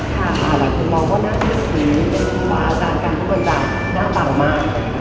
คุณมองว่าน่าเชื่อมืออาจารย์กรรมต่างหน้าต่างมาก